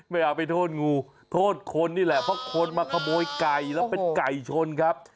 ไม่เอาไปโทษงูโทษคนนี่แหละเพราะคนมาขโมยไก่แล้วเป็นไก่ชนครับ